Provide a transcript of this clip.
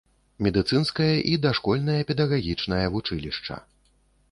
Медыцынскае і дашкольнае педагагічнае вучылішча.